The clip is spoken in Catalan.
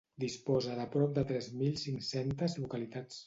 Disposa de prop de tres mil cinc-centes localitats.